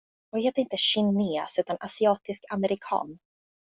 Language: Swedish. Och det heter inte kines, utan asiatisk amerikan.